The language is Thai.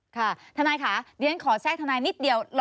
ค่ะธนาคาดิฉันขอแชก่อนธนายนิดเดียว